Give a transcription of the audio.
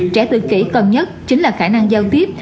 trẻ tự kỷ cần nhất chính là khả năng giao tiếp